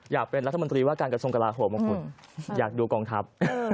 อยากเป็นรัฐมนตรีว่าการกระทรวงกลาโหมของคุณอยากดูกองทัพ